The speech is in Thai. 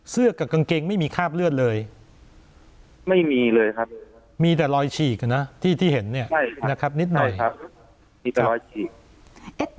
กับกางเกงไม่มีคราบเลือดเลยไม่มีเลยครับมีแต่รอยฉีกนะที่เห็นเนี่ยนะครับนิดหน่อยครับมีแต่รอยฉีก